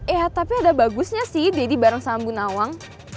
eh tapi ada bagusnya sih didi bareng sama bunda wang